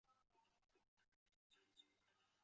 而私人持股公司将以现行股价收益比定价。